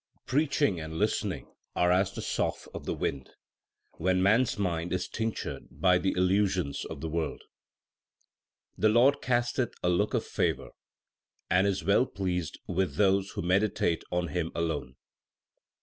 22 THE SIKH RELIGION Preaching and listening are as the sough of the wind, when man s mind is tinctured by the illusions of the world. The Lord casteth a look of favour, and is well pleased with those who meditate on Him alone.